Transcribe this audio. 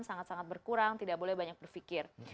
sangat sangat berkurang tidak boleh banyak berpikir